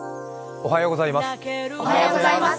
おはようございます。